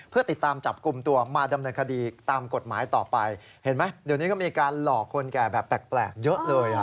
เพื่อติดตามจับกลุ่มตัวมาดำเนินคดีตามกฎหมายต่อไปเห็นไหมเดี๋ยวนี้ก็มีการหลอกคนแก่แบบแปลกเยอะเลยอ่ะ